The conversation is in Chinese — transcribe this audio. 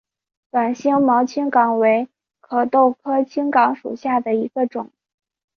短星毛青冈为壳斗科青冈属下的一个种。